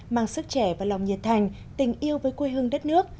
mang sức trẻ và lòng nhiệt thành tình yêu với quê hương đất nước